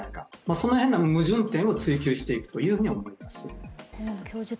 その辺の矛盾点を追及していくことになると思います。